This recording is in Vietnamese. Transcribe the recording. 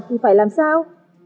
thì phải làm sao